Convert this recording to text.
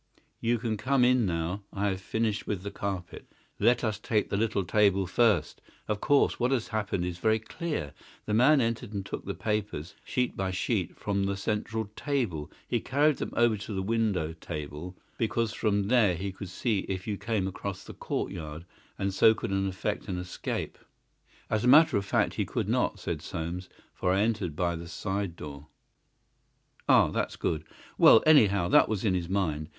You can come in now. I have finished with the carpet. Let us take the little table first. Of course, what has happened is very clear. The man entered and took the papers, sheet by sheet, from the central table. He carried them over to the window table, because from there he could see if you came across the courtyard, and so could effect an escape." "As a matter of fact he could not," said Soames, "for I entered by the side door." "Ah, that's good! Well, anyhow, that was in his mind.